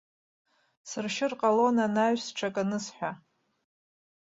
Сыршьыр ҟалон анаҩс ҽак анысҳәа.